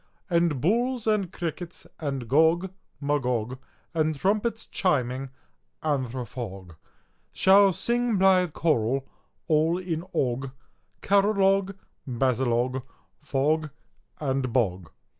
And bulls, and crickets, and Gog, Magog, And trumpets chiming anthrophog, Shall sing blithe choral all in og, Caralog, basilog, fog, and bog!